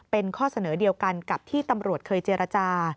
เป็นข้อเสนอเดียวกันกับที่ตำรวจเคยเจรจา